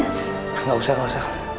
enggak usah enggak usah